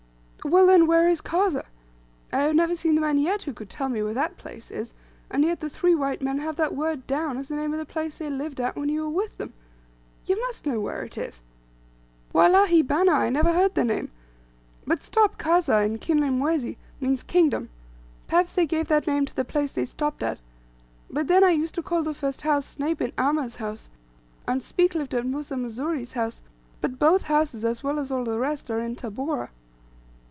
"Well, then, where is Kazeh? I have never seen the man yet who could tell me where that place is, and yet the three white men have that word down, as the name of the place they lived at when you were with them. You must know where it is." "Wallahi, bana, I never heard the name; but stop, Kazeh, in Kinyamwezi, means 'kingdom.' Perhaps they gave that name to the place they stopped at. But then, I used to call the first house Sny bin Amer's house, and Speke lived at Musa Mzuri's house, but both houses, as well as all the rest, are in Tabora."